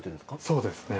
そうですね。